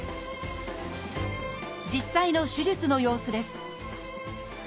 実際の手術の様子です。